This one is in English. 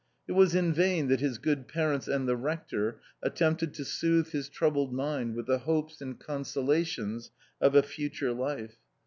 It was in vain that his good parents and the rector attempted to soothe his troubled mind with the hopes and con solations of a future life.